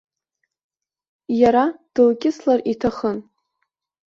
Иара дылкьыслар иҭахын.